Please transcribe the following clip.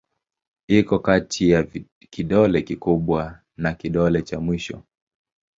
Iko kati ya kidole kikubwa na kidole cha mwisho.